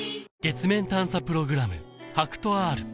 月面探査プログラム